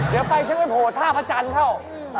เดี๋ยวไปฉันไปโผล่ท่าพระจันทร์เข้า